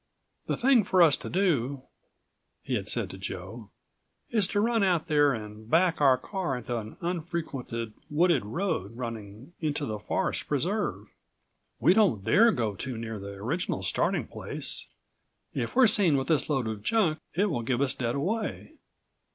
"The thing for us to do," he had said to Joe, "is to run out there and back our car into an unfrequented, wooded road running into the forest preserve. We don't dare go too near the original starting place. If we're seen with this load of junk it will give us dead away.